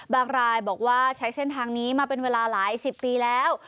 รายบอกว่าใช้เส้นทางนี้มาเป็นเวลาหลายสิบปีแล้ว